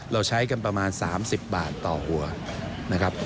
เราใช้กันประมาณ๓๐บาทต่อหัวนะครับ